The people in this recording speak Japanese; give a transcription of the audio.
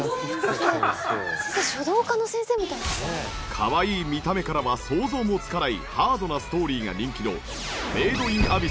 かわいい見た目からは想像もつかないハードなストーリーが人気の『メイドインアビス』